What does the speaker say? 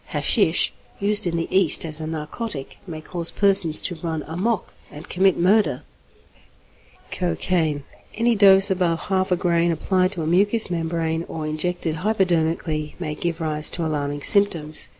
Hashish, used in the East as a narcotic, may cause persons to run 'amok' and commit murder. XXXI. COCAINE =Cocaine.= Any dose above 1/2 grain applied to a mucous membrane or injected hypodermically may give rise to alarming symptoms.